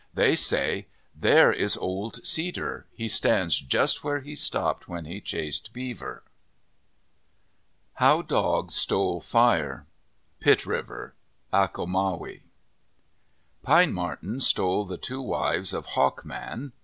They say, " There is Old Cedar. He stands just where he stopped when he chased Beaver." 43 MYTHS AND LEGENDS HOW DOG STOLE FIRE Pit River (Achomawi ) PINE MARTEN stole the two wives of Hawk Man.